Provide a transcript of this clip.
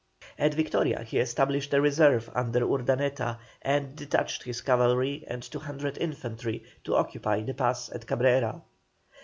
At Victoria he established a reserve under Urdaneta, and detached his cavalry and 200 infantry to occupy the pass at Cabrera.